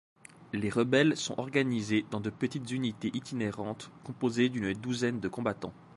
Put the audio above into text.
Les rebelles sont organisés dans de petites unités itinérantes composées d'une douzaine de combattants.